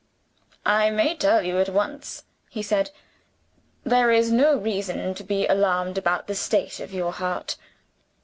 "I may tell you at once," he said "there is no reason to be alarmed about the state of your heart."